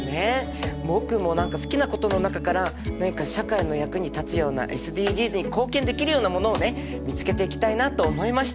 僕も好きなことの中から何か社会の役に立つようなＳＤＧｓに貢献できるようなものをね見つけていきたいなと思いました！